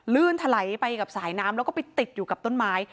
ถลายไปกับสายน้ำแล้วก็ไปติดอยู่กับต้นไม้